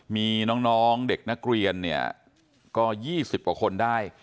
มีน้องเด็กนักเรียนเนี่ยก็๒๐กว่าคนได้